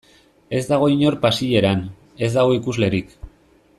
Ez dago inor pasieran, ez dago ikuslerik.